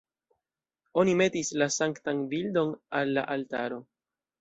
Oni metis la sanktan bildon al la altaro.